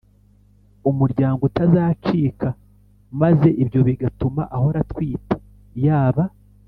umuryango utazacika, maze ibyo bigatuma ahora atwite, yaba